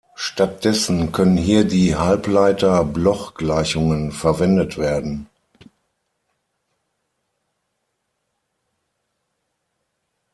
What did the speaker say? Stattdessen können hier die Halbleiter-Bloch-Gleichungen verwendet werden.